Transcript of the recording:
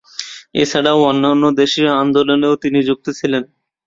এছাড়া অন্যান্য দেশীয় আন্দোলনেও তিনি যুক্ত ছিলেন।